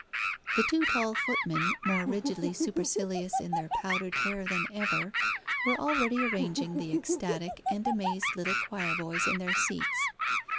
The two tall footmen, more rigidly supercilious in their powdered hair than ever, were already arranging the ecstatic and amazed little choir boys in their seats.